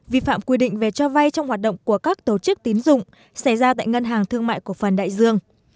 vi phạm quy định về cho vay trong hoạt động của các tổ chức tín dụng xảy ra tại ngân hàng thương mại cổ phần đại dương